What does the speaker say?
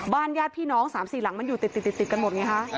ญาติพี่น้อง๓๔หลังมันอยู่ติดกันหมดไงคะ